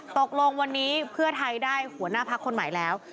ตกลงวันนี้เพื่อไทยได้หัวหน้าพักคนใหม่แล้ว